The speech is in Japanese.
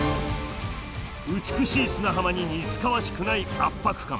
美しい砂浜に似つかわしくない圧迫感。